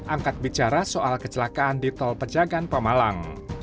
angkat bicara soal kecelakaan di tol pejagan pemalang